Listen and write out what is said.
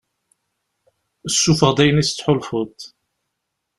Ssuffeɣ-d ayen i tettḥulfuḍ.